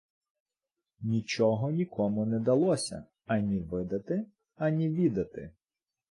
Нічого нікому не далося ані видати, ані відати...